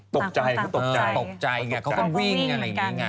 ตกใจเขาตกใจตกใจไงเขาก็วิ่งอะไรอย่างนี้ไง